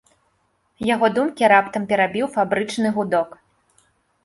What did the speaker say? Яго думкі раптам перабіў фабрычны гудок.